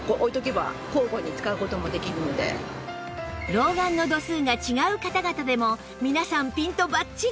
老眼の度数が違う方々でも皆さんピントバッチリ！